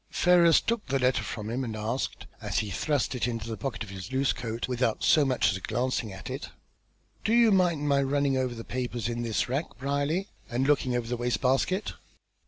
Ferrars took the letter from him, and asked, as he thrust it into the pocket of his loose coat without so much as glancing at it, "Do you mind my running over the papers in this rack, Brierly? and looking into the waste basket?"